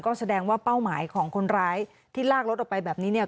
ก็แสดงว่าเป้าหมายของคนร้ายที่ลากรถออกไปแบบนี้เนี่ย